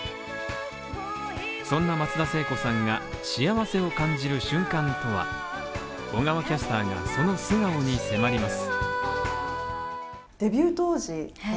そんな松田聖子さんが幸せを感じる瞬間とは小川キャスターがその素顔に迫ります。